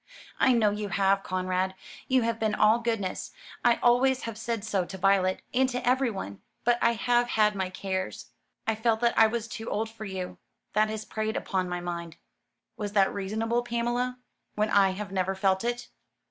"I know you have, Conrad. You have been all goodness; I always have said so to Violet and to everyone. But I have had my cares. I felt that I was too old for you. That has preyed upon my mind." "Was that reasonable, Pamela, when I have never felt it?"